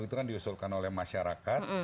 itu kan diusulkan oleh masyarakat